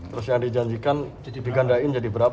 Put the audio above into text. terus yang dijanjikan jadi digandain jadi berapa